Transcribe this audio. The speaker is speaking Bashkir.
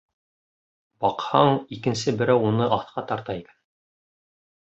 Баҡһаң, икенсе берәү уны аҫҡа тарта икән.